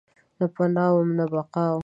نه پناه وم ، نه بقاوم